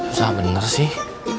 susah bener sih